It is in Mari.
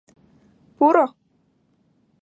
Пуро.